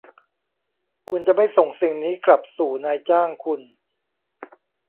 คุณจะไม่ส่งสิ่งนี้กลับสู่นายจ้างคุณ ?